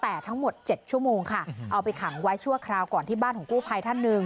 แต่ทั้งหมด๗ชั่วโมงค่ะเอาไปขังไว้ชั่วคราวก่อนที่บ้านของกู้ภัยท่านหนึ่ง